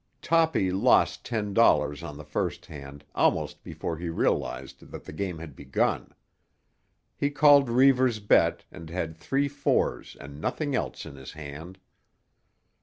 Toppy lost ten dollars on the first hand almost before he realised that the game had begun. He called Reivers' bet and had three fours and nothing else in his hand.